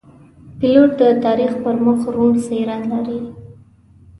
پیلوټ د تاریخ پر مخ روڼ څېره لري.